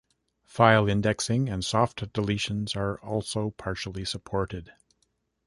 File indexing and soft deletions are also partially supported.